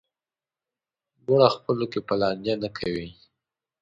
ګوره خپلو کې به لانجې نه کوئ.